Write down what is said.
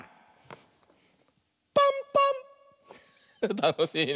たのしいね。